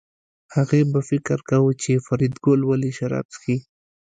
هغې به فکر کاوه چې فریدګل ولې شراب څښي